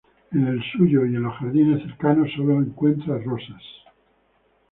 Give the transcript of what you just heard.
En el suyo y en los jardines cercanos sólo encuentra rosas.